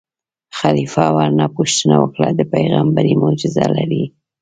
خلیفه ورنه پوښتنه وکړه: د پېغمبرۍ معجزه لرې.